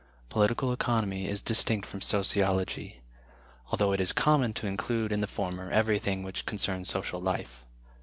Political Economy is distinct from Sociology; although it is common to include in the former everything which concerns social life.